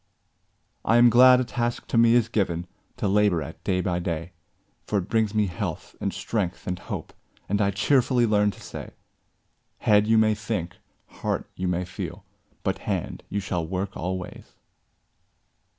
I am glad a task to me is given To labor at day by day; For it brings me health, and strength, and hope, And I cheerfully learn to say 'Head, you may think; heart, you may feel; But hand, you shall work always!'